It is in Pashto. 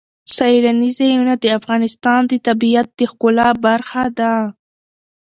سیلاني ځایونه د افغانستان د طبیعت د ښکلا برخه ده.